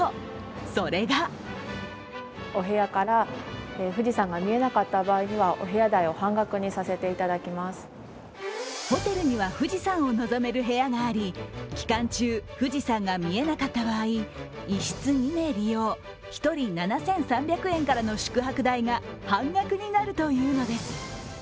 それがホテルには富士山を望める部屋があり、期間中、富士山が見えなかった場合１室２名利用１人７３００円からの宿泊代が半額になるというのです。